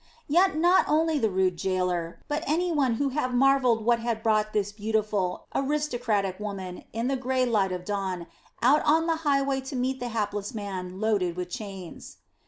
Yet not only the rude gaoler, but anyone would have marvelled what had brought this beautiful, aristocratic woman, in the grey light of dawn, out on the highway to meet the hapless man loaded with chains.